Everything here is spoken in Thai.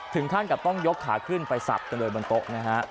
ถึงขั้นกับต้องยกขาขึ้นไปสับกันเลยบนโต๊ะนะฮะ